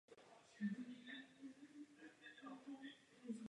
Mezitím navíc Komise každý rok uveřejní takzvanou zprávu o pokroku.